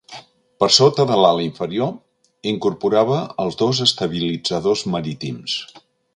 Per sota de l'ala inferior incorporava els dos estabilitzadors marítims.